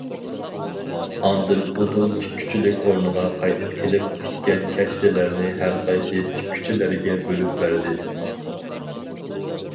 ئاندىن ئۇدۇل تىككۈچىلىك ئورنىغا قايتىپ كېلىپ، تىككەن كەشتىلەرنى ھەرقايسى تىككۈچىلەرگە بۆلۈپ بەردى.